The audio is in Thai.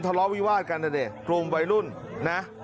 ทะเลาะวิวาสกันด้วยเกรงวัยรุ่นนะ